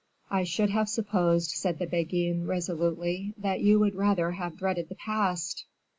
"I should have supposed," said the Beguine, resolutely, "that you would rather have dreaded the past."